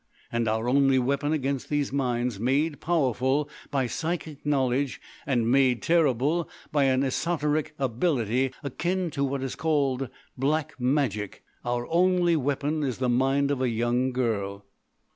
And our only weapon against these minds made powerful by psychic knowledge and made terrible by an esoteric ability akin to what is called black magic,—our only weapon is the mind of a young girl."